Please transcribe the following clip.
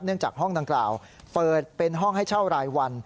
จากห้องดังกล่าวเปิดเป็นห้องให้เช่ารายวัน